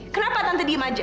kenapa tante diem aja